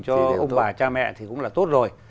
cho ông bà cha mẹ thì cũng là tốt rồi